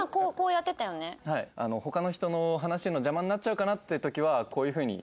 他の人の話の邪魔になっちゃうかなっていう時はこういう風に。